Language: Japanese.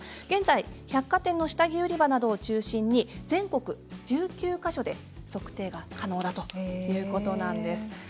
現在、百貨店の下着売り場などを中心に全国１９か所で測定が可能だということなんです。